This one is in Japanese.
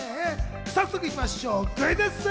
早速行きましょう、クイズッス！